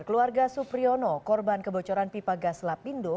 keluarga supriyono korban kebocoran pipa gas lapindo